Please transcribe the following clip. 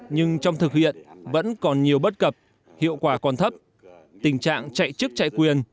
nhưng trong thực hiện vẫn còn nhiều bất cập hiệu quả còn thấp tình trạng chạy chức chạy quyền